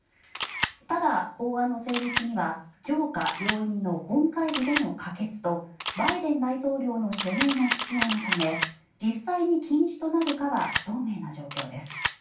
ただ、法案の成立には上下両院の本会議での可決とバイデン大統領の署名が必要なため実際に禁止となるかは不透明な状況です。